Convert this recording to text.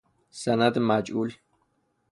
سند مجعول